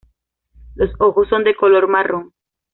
Los ojos son de color marrón.